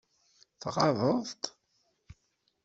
Tɣaḍeḍ-t?